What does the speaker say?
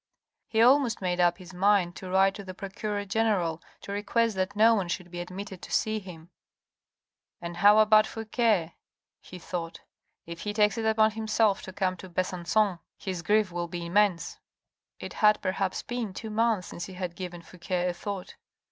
He almost made up his mind to write to the Procureur General to request that no one should be admitted to see him. " And how about Fouque," he thought ?" If he takes it upon himself to come to Besancon, his grief will 474 THE RED AND THE BLACK be immense." It had perhaps been two months since he had given Fouque a thought.